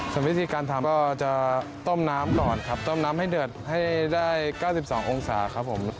ส่วนวิธีการทำก็จะต้มน้ำก่อนครับต้มน้ำให้เดือดให้ได้๙๒องศาครับผม